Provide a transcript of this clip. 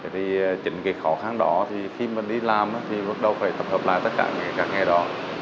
trên cái khó khăn đó khi mình đi làm mình đâu có thể tập hợp lại tất cả những nghề đó